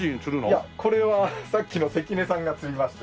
いやこれはさっきの関根さんが釣りました。